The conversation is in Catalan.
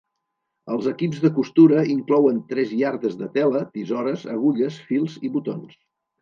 Els equips de costura inclouen tres iardes de tela, tisores, agulles, fils i botons.